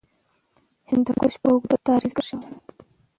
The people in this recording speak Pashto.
هندوکش په اوږده تاریخ کې ذکر شوی.